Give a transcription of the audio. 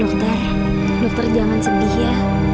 dokter dokter jangan sedih ya